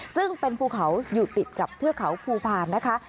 ซึ่งเป็นภูเขาอยู่ติดกับเทือกเขาภูพาลนะคะ